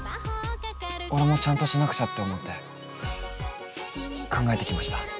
俺もちゃんとしなくちゃって思って考えてきました。